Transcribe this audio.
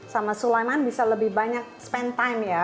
sama sulaiman bisa lebih banyak spend time ya